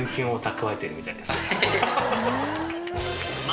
みたいです。